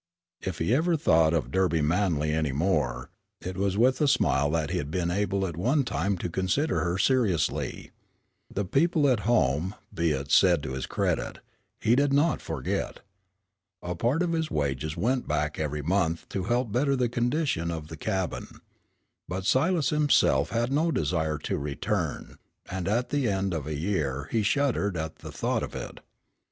If he ever thought of Dely Manly any more, it was with a smile that he had been able at one time to consider her seriously. The people at home, be it said to his credit, he did not forget. A part of his wages went back every month to help better the condition of the cabin. But Silas himself had no desire to return, and at the end of a year he shuddered at the thought of it.